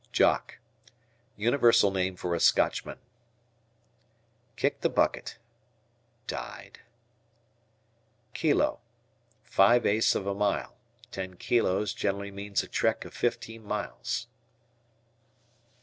Jock. Universal name for a Scotchman. K "Kicked the bucket." Died. Kilo. Five eighths of a mile. Ten "kilos" generally means a trek of fifteen miles.